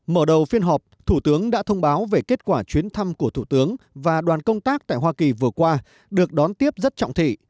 mở đầu phiên họp thủ tướng đã thông báo về kết quả chuyến thăm của thủ tướng và đoàn công tác tại hoa kỳ vừa qua được đón tiếp rất trọng thị